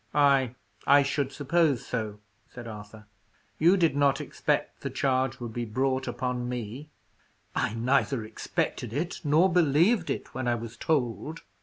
"Ay, I should suppose so," said Arthur. "You did not expect the charge would be brought upon me." "I neither expected it nor believed it when I was told.